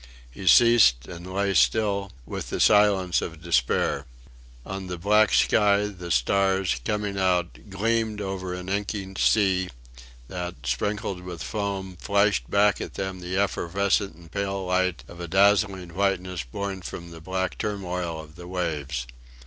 He ceased and lay still with the silence of despair. On the black sky the stars, coming out, gleamed over an inky sea that, speckled with foam, flashed back at them the evanescent and pale light of a dazzling whiteness born from the black turmoil of the waves.